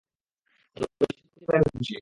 তবে শিক্ষক হিসেবে আমি খুশি।